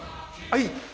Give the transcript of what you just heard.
はい！